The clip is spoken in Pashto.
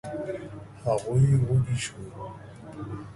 هغوی وږي شوو.